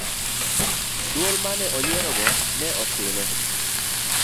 dwol mane onyierogo ne osine